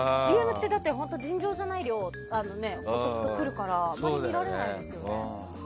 ＤＭって尋常じゃない量送ってくるからあまり見られないですよね。